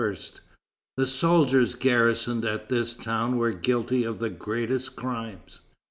The soldiers garrisoned at this town were guilty of the greatest crimes.